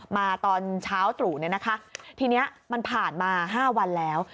มาตอนเช้าตรู่เนี่ยนะคะทีนี้มันผ่านมา๕วันแล้ว